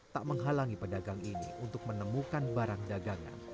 tak menghalangi pedagang ini untuk menemukan barang dagangan